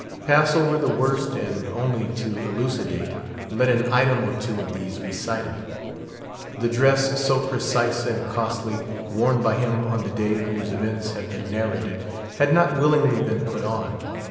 Pass over the worst, and, only to elucidate let an item or two of these be cited. The dress, so precise and costly, worn by him on the day whose events have been narrated, had not willingly been put on.